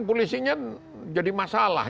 polisinya jadi masalah